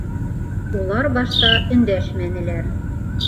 Улар башта өндәшмәнеләр.